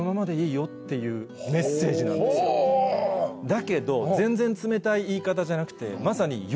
だけど全然冷たい言い方じゃなくて。